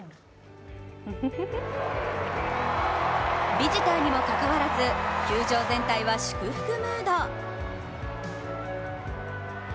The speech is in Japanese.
ビジターにもかかわらず球場全体は祝福ムード。